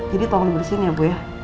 jadi tolong dibersihin ya bu ya